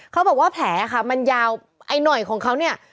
เขาบอกว่าแผลค่ะมันยาวไอ้หน่อยของเขาเนี่ย